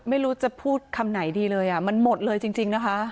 ไม่รู้จะพูดคำไหนดีเลยมันหมดเลยจริงนะคะ